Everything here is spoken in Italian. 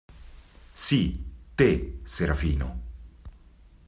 Sì, te, Serafino.